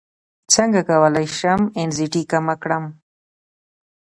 څنګه کولی شم انزیتي کمه کړم